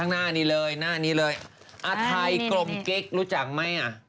หน้านี้เลยอาไทยกรมกิ๊กรู้จักไหม